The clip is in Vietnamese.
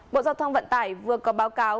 bộ giao thông vận tải vừa có báo cáo